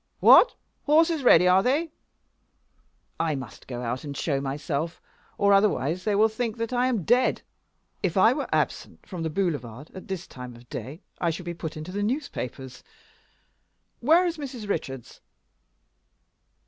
What! The horses ready, are they? I must go out and show myself, or otherwise they'll all think that I am dead. If I were absent from the boulevard at this time of day I should be put into the newspapers. Where is Mrs. Richards?"